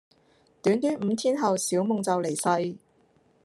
短短五天後小夢就離世